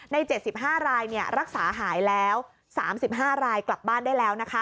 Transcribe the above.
๗๕รายรักษาหายแล้ว๓๕รายกลับบ้านได้แล้ว